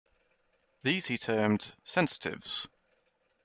These he termed "sensitives".